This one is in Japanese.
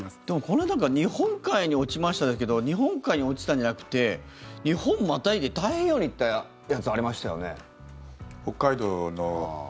でも、この間日本海に落ちましたけど日本海に落ちたんじゃなくて日本をまたいで太平洋に行ったやつありましたよね。